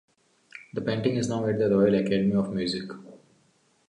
The painting is now at the Royal Academy of Music.